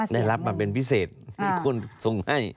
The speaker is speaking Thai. ได้รับมาเป็นพิเศษมีคนส่งให้